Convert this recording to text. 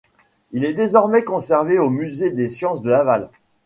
Il est désormais conservé au Musée des Sciences de Laval.